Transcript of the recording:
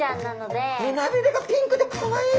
胸びれがピンクでかわいい！